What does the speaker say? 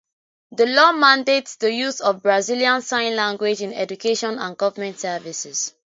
The law mandates the use of Brazilian Sign Language in education and government services.